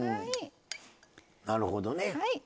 なるほどね。